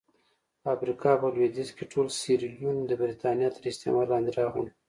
په افریقا په لوېدیځ کې ټول سیریلیون د برېټانیا تر استعمار لاندې راغی.